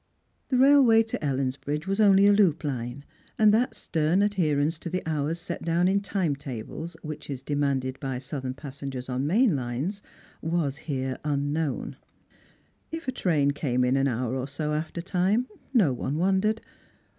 The railway to Ellensbridge was only a loop line, and that fiteru adherence to the hours set down in time tables which is demanded by southern passengers on main lines was here t.n known. If a train came in an hour or so after time, no one wondered.